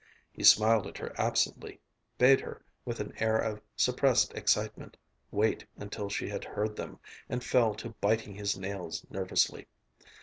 He smiled at her absently, bade her, with an air of suppressed excitement, wait until she had heard them, and fell to biting his nails nervously.